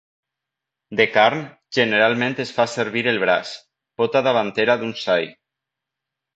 De carn, generalment es fa servir el braç, pota davantera d'un xai.